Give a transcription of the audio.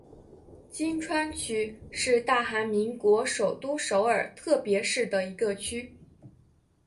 衿川区是大韩民国首都首尔特别市的一个区。